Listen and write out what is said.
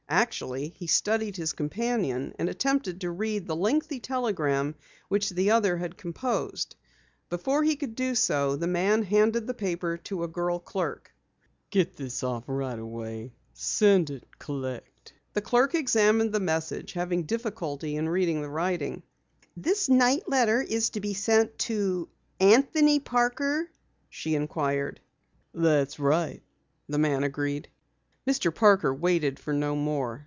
Actually, he studied his companion, and attempted to read the lengthy telegram which the other had composed. Before he could do so, the man handed the paper to a girl clerk. "Get this off right away," he instructed. "Send it collect." The clerk examined the message, having difficulty in reading the writing. "This night letter is to be sent to Anthony Parker?" she inquired. "That's right," the man agreed. Mr. Parker waited for no more.